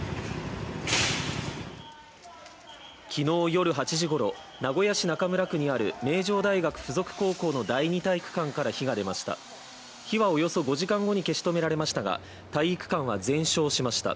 昨日夜８時ごろ名古屋市中村区にある名城大学附属高校の第二体育館から火が出ました火はおよそ５時間後に消し止められましたが体育館は全焼しました